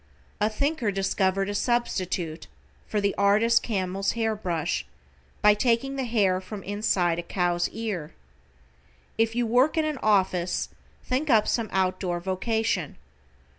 A thinker discovered a substitute for the artist camel's hair brush by taking the hair from inside a cow's ear. If you work in an office think up some out door vocation.